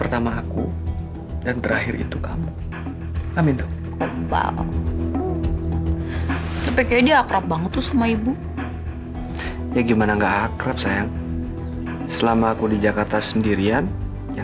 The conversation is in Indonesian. sampai jumpa di video selanjutnya